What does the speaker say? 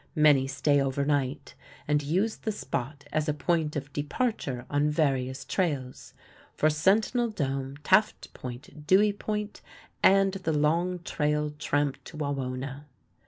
Many stay over night, and use the spot as a point of departure on various trails for Sentinel Dome, Taft Point, Dewey Point, and the long trail tramp to Wawona.